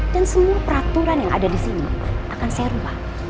dan semua peraturan yang ada disini akan saya ubah